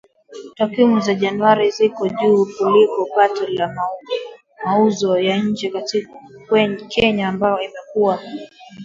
Takwimu za Januari ziko juu kuliko pato la mauzo ya nje kutoka Kenya ambayo imekuwa